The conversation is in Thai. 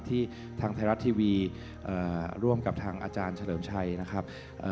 ที่ทางไทยรัฐทีวีร่วมกับทางอาจารย์เฉลิมชัยนะครับ